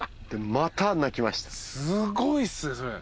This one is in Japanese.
すごいっすねそれ。